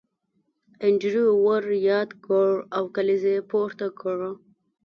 انډریو ور یاد کړ او کلیزه یې پورته کړه